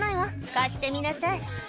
「貸してみなさい」